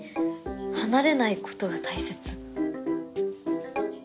「離れないことが大切」